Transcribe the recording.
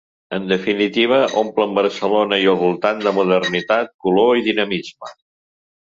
En definitiva, omplen Barcelona i el voltant de modernitat, color i dinamisme.